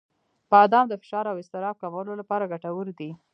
• بادام د فشار او اضطراب کمولو لپاره ګټور دي.